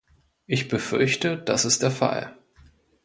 Ich befürchte, das ist der Fall.